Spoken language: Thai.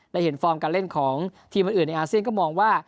และเห็นฟอร์มการเล่นของทีมอื่นในอาเซียนก็มองว่า